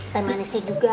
tepi manisnya juga